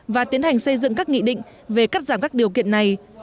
và tiến hành xây dựng các nghị định về cắt giảm các điều kiện này